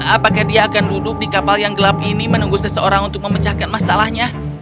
apakah dia akan duduk di kapal yang gelap ini menunggu seseorang untuk memecahkan masalahnya